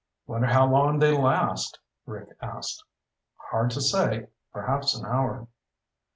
'" "Wonder how long they last?" Rick asked. "Hard to say. Perhaps an hour."